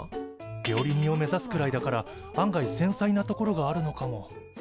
料理人を目指すくらいだから案外せんさいなところがあるのかも。